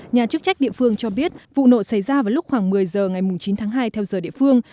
nhà chức trách địa phương cho biết vụ nổ xảy ra vào lúc khoảng một mươi giờ ngày chín tháng hai theo giờ địa phương